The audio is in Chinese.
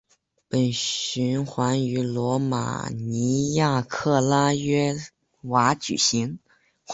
本循环于罗马尼亚克拉约瓦举行。